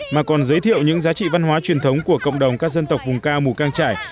mà còn giới thiệu những giá trị văn hóa truyền thống của cộng đồng các dân tộc vùng cao mù cang trải